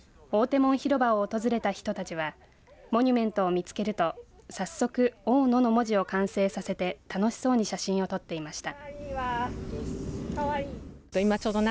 大手門広場を訪れた人たちはモニュメントを見つけると早速、大野の文字を完成させて楽しそうに写真を撮っていました。